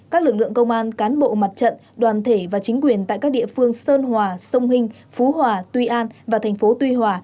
các lực lượng công an cán bộ mặt trận đoàn thể và chính quyền tại các địa phương sơn hòa sông hinh phú hòa tuy an và thành phố tuy hòa